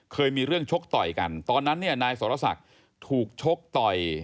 เคยมีเรื่องชกต่อยกันตอนนั้นเนี่ยนายสรศักดิ์ถูกชกต่อย